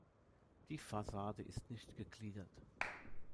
Die Fassade ist nicht gegliedert.